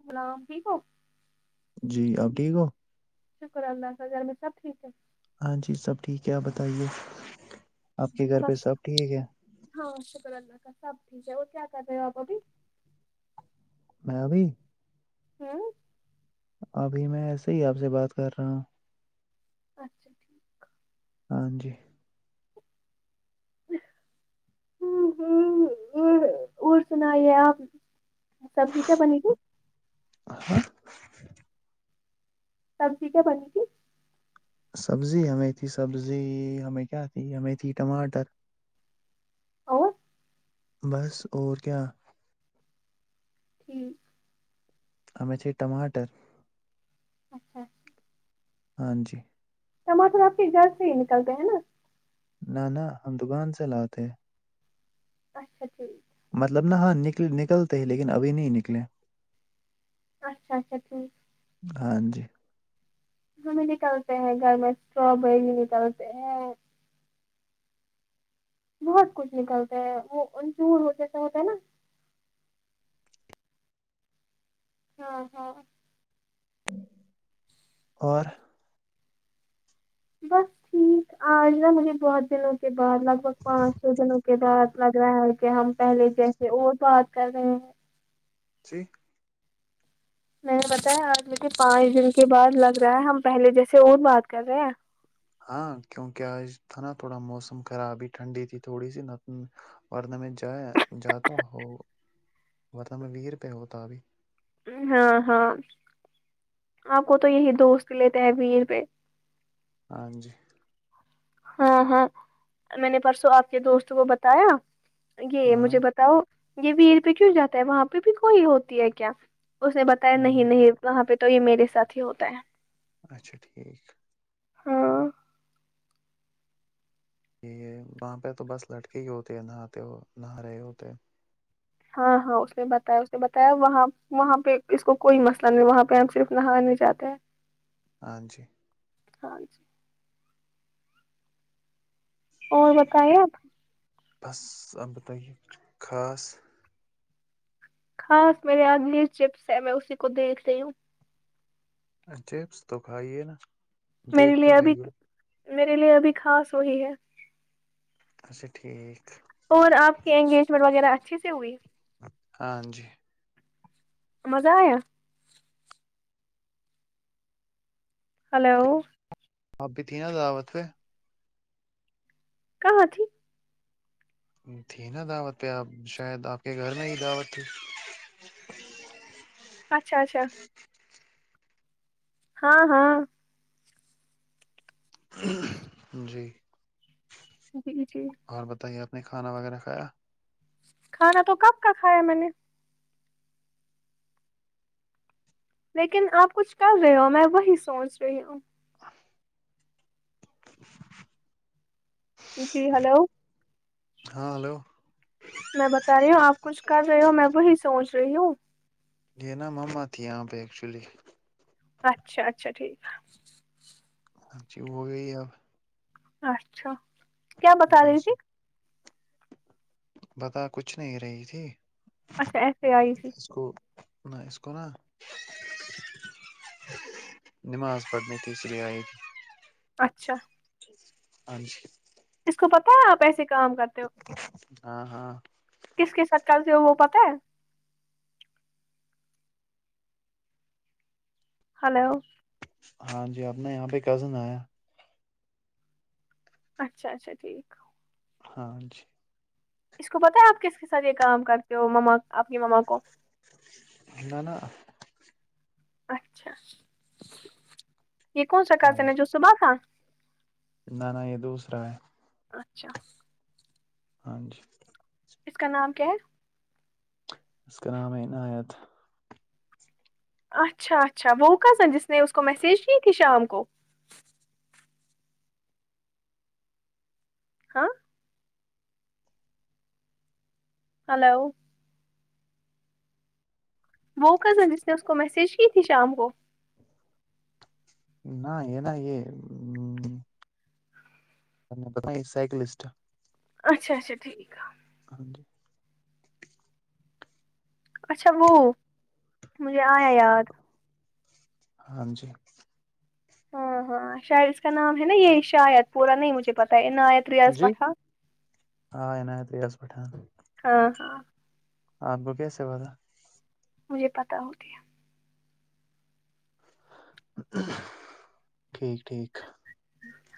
اسلام ٹھیک ہو جی آپ ٹھیک ہو شکر اللہ گھر میں سب ٹھیک ہے ہاں جی سب ٹھیک ہے آپ بتائیے آپ کے گھر پہ بس سب ٹھیک ہے ہاں شکر اللہ کا سب ٹھیک ہے اور کیا کر رہے ہو آپ ابھی میں ابھی ہوں ابھی میں ایسے ہی آپ سے بات کر رہا ہوں اچھا ٹھیک ہاں جی ہمم اور سنائیے آپ سبزی کیا بنی تھی ہاں سبزی کیا بنے تھی سبزی ہمیں تھی سبزی ہمیں کیا تھی ہمیں تھی ٹماٹر اور بس اور کیا ہمم ہم میں چی ٹماٹر اچھا ہاں جی ٹماٹر آپ کے گھر سے ہی نکلتے ہیں نا نہ نہ ہم دوکان سے لاتے ہیں اچھا ٹھیک مطلب نہا ہاں نکل نکلتے ہی لیکن ابھی نہیں نکلے اچھا اچھا ٹھیک ہاں جی ہمیں نکلتے ہیں گھر میں اسٹرابری نکلتے ہیں بہت کچھ نکلتا ہے وہ انچور ہو جیسا ہوتا ہے نا ہاں ہاں اور بس ٹھیک آج نا مجھے بہت دنوں اس کے بعد لگ بھگ پانچ چھ دنوں کے بعد لگ رہا ہے کہ ہم پہلے جیسے اور بات کر رہے ہیں جی میں نے بتایا آج مجھے پانچ دن کے بعد لگ رہا ہے ہم پہلے جیسے اور بات کر رہے ہیں ہاں کیونکہ آج تھا نا تھوڑا موسم خراب ہی ٹھنڈی تھی تھوڑی سی نہ ورنہ میں جا جاتا ہو ورنہ میں ویر پر ہوتا ابھی ہاں ہاں آپ کو تو یہی دوست لیتے ہیں ویر پہ ہاں جی ہاں ہاں میں نے پرسوں آپ کے دوست کو بتایا یہ ہاں مجھے بتاؤ یہ ویر پہ کیوں جاتا ہے وہاں پہ بھی کوئی ہوتی ہے کیا اس نے بتایا ہاں نہیں نہیں وہاں پہ تو یہ میرے ساتھ ہی ہوتا ہے اچھا ٹھیک ہاں یہ وہاں پہ تو بس لٹکے ہی ہوتے ہے نہاتے ہو نہا رہے ہوتے ہاں ہاں اس نے بتایا اس نے بتایا وہاں وہاں پہ اس کو کوئی مسئلہ نہیں وہاں پہ ہم صرف نہانے جاتے ہیں ہاں جی ہاں جی اور بتائی آپ بس ا ب تک کچھ خاص خاص میرے ہاتھ میں یہ چپس ہے، میں اسی کو دیکھ رہی ہوں چپس تو کھائیے نا میرے دیکھ کیوں لیے ابھی رہی ہو میرے لیے ابھی خاص وہی ہے اچھا ٹھیک اور آپ کی انگیجمنٹ وغیرہ اچھے سے ہوئی ہاں جی مزہ آیا ہلو آپ بھی تھی نا داوت میں کہاں تھی تھی نا دعوت پہ آپ شاید آپ کے گھر میں ہی دعوت تھی اچھا اچھا ہاں ہاں جی جی جی اور بتائیے آپ نے کھانا وغیرہ کھایا کھانا تو کب کا کھایا ہے میں نے لیکن آپ کچھ کر رہے ہو میں وہی سوچ رہی ہوں جی ہلو ہاں ہلو میں بتا رہی ہوں آپ کچھ کر رہے ہو میں وہی سوچ رہی ہوں یہ نا مما تھی یہاں پہ ایکچولی اچھا اچھا ٹھیک ہے ہاں جی وہ بھی آب اچھا کیا بتا جی رہی جی تھی بتا کچھ نہیں رہی تھی اچھا ایسے آئی تھی اس کو نہ اس کو نا نماز پڑنی تھی اس لیے آںی تھی اچھا ہاں جی اس کو پتہ ہے آپ ایسے کام کرتے ہو ہاں ہاں کس کے شک کرتے ہو وہ پتا ہے ہلو ہاں جی آپنے یہاں پہ کزن آیاہے اچھا اچھا ٹھیک ہاں جی اس کو پتہ ہے آپ کس کے ساتھ یہ کام کرتے ہو مما اآپکی ماما کو نہ نہ اچھا یہ کون سا ہاں کرتے نا جی جو صبح کا نہ نہ یہ دوسرا ہے اچھا ہاں جی اس کا نام کیا ہے اس کا میں عنایات اچھا اچھا وہ کزن جس نے اس کو میسج کی تھی شام کو ہاں ہلو وہ کزن جس نے اس کو میسج کی تھی شام کو نہ یہ نہ یہ بت سائکلسٹ اچھا اچھا ٹھیک ہے ہاں جی اچھا وہ مجھے آیا یاد ہاں جی ہاں ہاں شاید اس کا نام ہے نا یہ شاید پورا نہیں مجھے پتاہ ہے عنایات ریاض پٹھان آ عنایت ریاض پٹھان ہاں ہاں آپ کو کیسے پتا مجھے پتا ہوتی ہے ٹھیک ٹھیک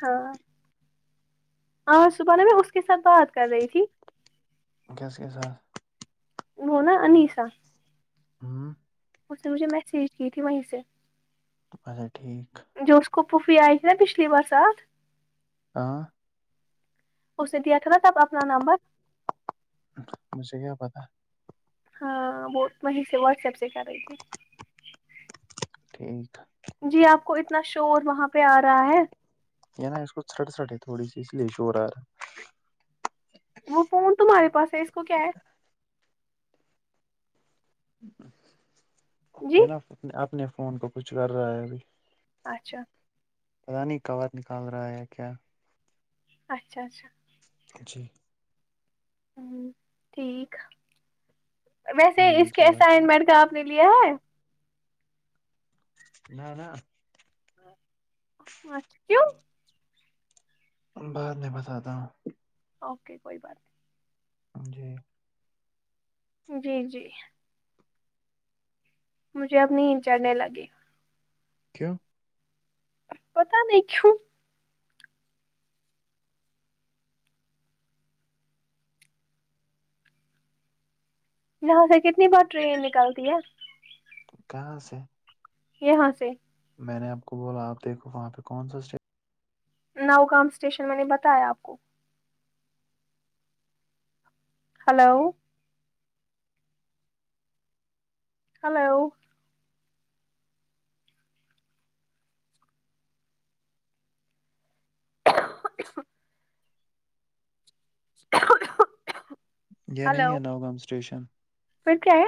ہاں ہاں صبح میں اس کے ساتھ بات کر رہی تھی کس کے ساتھ وہ نا انیسہ ہاں اس نے مجھے میسیج کی تھی وہیں سے تو پھلے ٹھیک جو اس کو پوفی آئی تھی نا پچھلی بار سال ہاں اس نے دیا تھا نا تب اپنا نمبر مجھے کیا پتا ہاں وہ وہیں سے لفٹ سائیڈ سے کر رہی تھی ٹھیک ہے جی آپ کو اتنا شور وہاں پہ آ رہا ہے یہ نا اس کو سھٹ سٹ ہے تھوڑی سی اس لیے اشو ہورہا تھا وہ فون تمہارے پاس ہے اس کو کیا ہے جی یہ نا اپ اپنے فون کو کچھ کر رہا ہے اب اچھا پتا نہیں کور نکال رہا ہے کیا اچھا اچھا جی ہوں ٹھیک ویسے ہاں اس کے جی اور اسائنمنٹ کا آپ نے لیا ہے نہ نہ اچھا کیوں بعد میں بتاتا ہوں اوکے کوئی بات نہیں جی جی جی مجھے اپنی ہی چڑھنے لگی کیوں پتاہ نہیں کیوں یہاں سے کتنی بار ٹرین نکلتی ہے کہاں سے یہاں سے میں نے آپ کو بولا آپ دیکھو وہاں پہ کون سا اسٹیٹ نوگام اسٹیشن میں نے بتایا آپ کو ہلو ہلو [unintelligible] [unintelligible] یہ نہیں ہلو ہے ناگؤں اسٹیشن پھر کیا ہے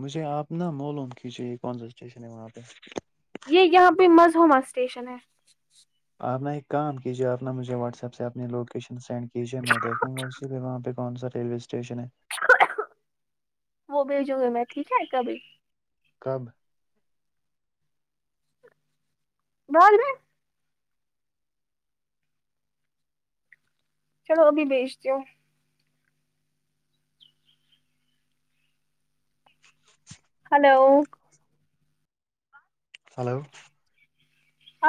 مجھے آپ نا معلوم کیجیے یہ کون سا اسٹیشن ہے وہاں پہ یہ یہاں پہ مظوما اسٹیشن ہے آپ نا ایک کام کیجیے آپ نے مجھے واٹس ایپ سے اپنی لوکیشن سینڈ کیجیے میں دیکھوں گا اسی پہ وہاں پہ کون سا ریلوے اسٹیشن ہے وہ بھیجو گے میں ٹھیک ہے کبھی کب بعد میں چلو ابھی بھیجتی ہو ہلو ہلو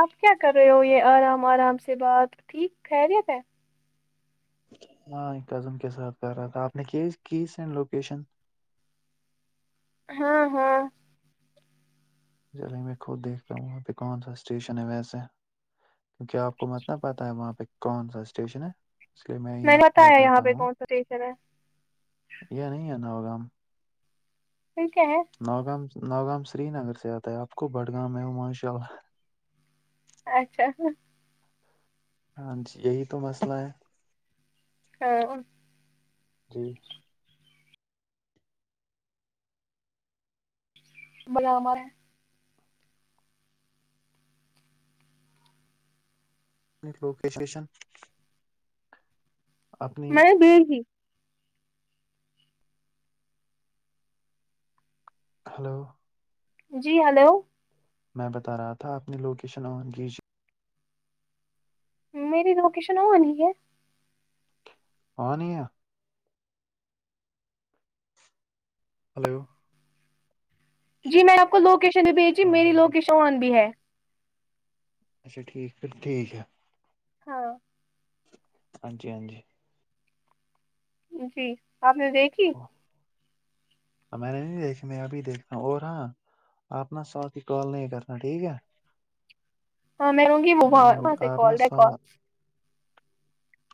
آپ کیا کر رہے ہو یہ آرام آرام سے بات ٹھیک خیریت ہے ہاں ایک کزم کے ساتھ کر رہا تھا آپ نے کی سینڈ لوکیشن ہاں ہاں چلئے میں خود دیکھتا ہوں وہاں پہ کونسا اسٹیشن ہے ویسے کی کیا آپ کو متنا پتہ ہے وہاں پہ کون سا اسٹیشن ہے اس لیے میں ہی نے آپ کو بتایا یہاں بتاتا پہ ہوں کون سا اسٹیشن ہے نہیں آنا ہوگا ہم پھر کیا ہے ناگام ناگام سری نگر سے آتا ہے آپ کو بڑگام ہے ماشاء اللہ اچھا ہاں جی یہی تو مسئلہ ہے ا جی بناوا ہے لوگ کیش کیشن میں نے بی ہلو جی ہلو میں بتا رہا تھا اپنی لوکیشن آن کیجیے میری لوکیشن اؤن ہی ہے پانییا ہلو جی میں آپ کو لوکیشن بھی بھیجی ہاں میری جی لوکیشن ون بھی ہے اچھا ٹھیک پھر ٹھیک ہے ہاں ہاں جی ہاں جی جی آپ نے دیکھی اوکے۔ میں نے نہیں دیکھ میں ابھی دیکھا ہوں اور ہاں آپنا ساتھ ہی کال نہیں کرنا ٹھیک ہے ہاں میں کہوں گی وہ م- وہاں سے آپ نا کال رہ سو کال نہ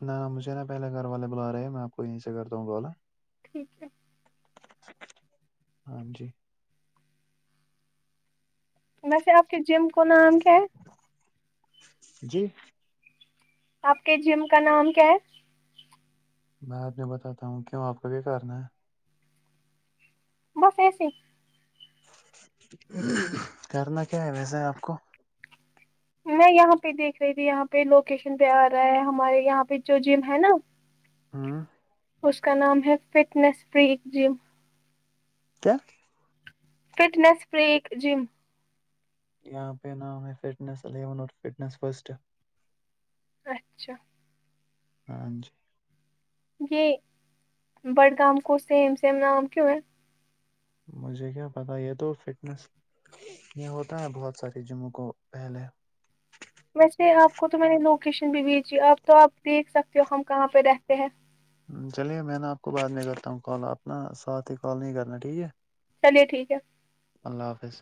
نہ مجھے نا پہلے گھر والے بلا رہے میں آپ کوئی یہی سے کرتا ہوں کال ٹھیک ہے ہاں جی ویسے آپ کے جم کو نام کیا ہے جی آپ کے جم کا نام کیا ہے میں بعد میں بتاتا ہوں کیوں آپ کو کیا کرنا ہے بس ایسیے کرنا کیا ہے ویسے آپ کو میں یہاں پہ دیکھ رہی تھی یہاں پہ لوکیشن پہ آ رہا ہے ہمارے یہاں پہ جو جم ہے نا ہاں اس کا نام ہے فٹنس فری جم کیا فٹنس فری جم یہاں پہ نام ہے فٹنس الیون فٹنس فرسٹ اچھا ہاں جی یہ بڈگام کو سیم سیم نام کیوں ہے مجھے کیا پتا یہ تو فٹنس یہ ہوتا ہے بہت ساری جموں کو پہلے ویسے آپ کو تو میں نے لوکیشن بھی بھیجی آپ تو آپ دیکھ سکتے ہو ہم کہاں پہ رہتے ہیں چلیے میں آپ کو بعد میں کرتا ہوں کال اپ نا ساتھ ہی کال نہیں کرنا ٹھیک ہے چلیے ٹھیک ہے اللہ حافظ